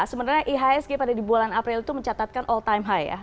sebenarnya ihsg pada di bulan april itu mencatatkan all time high ya